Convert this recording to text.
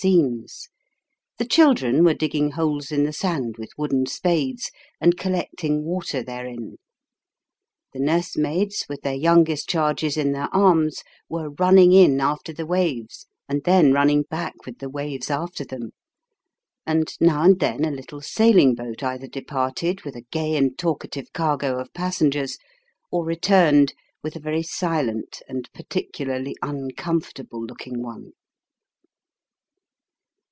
259 zincs ; the children were digging holes in the sand with wooden spades, and collecting water therein ; the nursemaids, with their youngest charges in their arms, were running in after the waves, and then running back with the waves after them ; and, now and then, a little sailing boat either departed with a gay and talkative cargo of passengers, or returned with a very silent, and particularly uncom fortable looking one.